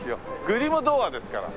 グリム童話ですから。